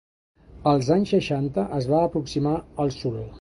Als anys seixanta es va aproximar al soul.